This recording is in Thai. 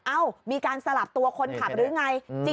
มีการสลับตัวคนขับหรือไง